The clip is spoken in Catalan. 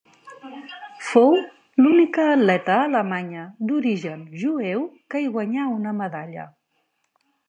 Fou l'única atleta alemanya d'origen jueu que hi guanyà una medalla.